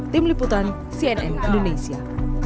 tim liputan cnn indonesia